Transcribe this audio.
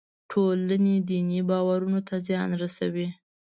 ټولنې دیني باورونو ته زیان رسوي.